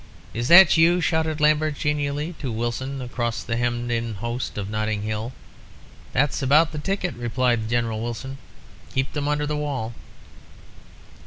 'Is that you?' shouted Lambert, genially, to Wilson, across the hemmed in host of Notting Hill. 'That's about the ticket,' replied General Wilson; 'keep them under the wall.'